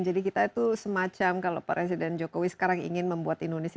jadi kita itu semacam kalau presiden jokowi sekarang ingin membuat indonesia